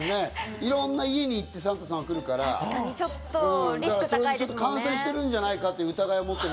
いろんな家に行って、サンタさん来るから感染してるんじゃないかって疑いを持ってる。